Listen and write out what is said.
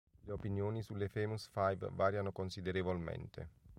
Le opinioni sulle Famous Five variano considerevolmente.